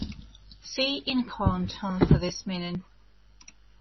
See Inkhorn term for this meaning.